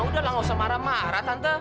udah lah nggak usah marah marah tante